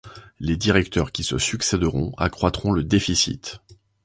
Les directeurs qui se succèderont accroîtront le déficit.